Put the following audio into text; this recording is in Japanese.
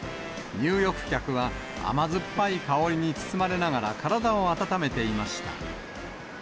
入浴客は甘酸っぱい香りに包まれながら体を温めていました。